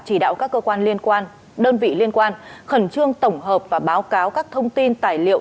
chỉ đạo các cơ quan liên quan đơn vị liên quan khẩn trương tổng hợp và báo cáo các thông tin tài liệu